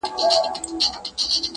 د جهنم وروستۍ لمحه ده او څه ستا ياد دی